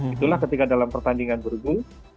itulah ketika dalam pertandingan bergu